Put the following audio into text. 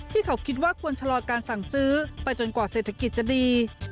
ที่เขาคิดว่าควรชะลอการสั่งซื้อไปจนกว่าเศรษฐกิจจะดี